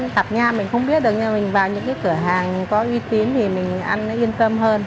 tạp nha mình không biết được nhưng mà mình vào những cửa hàng có uy tín thì mình ăn nó yên tâm hơn